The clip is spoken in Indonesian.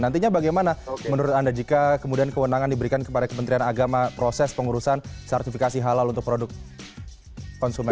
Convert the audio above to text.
nantinya bagaimana menurut anda jika kemudian kewenangan diberikan kepada kementerian agama proses pengurusan sertifikasi halal untuk produk konsumen